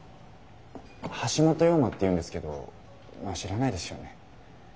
橋本陽馬っていうんですけどまあ知らないですよね。